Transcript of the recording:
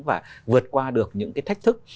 và vượt qua được những cái thách thức